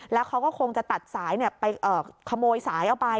แล้วเขาก็คงจะตัดสายไปขโมยสายเอาไป